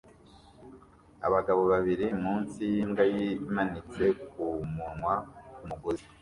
Abagabo babiri munsi yimbwa yimanitse kumunwa kumugozi